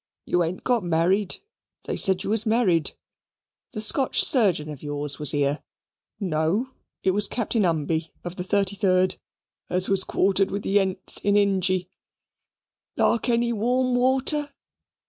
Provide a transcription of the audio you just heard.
You ain't got married? They said you was married the Scotch surgeon of yours was here. No, it was Captain Humby of the thirty third, as was quartered with the th in Injee. Like any warm water?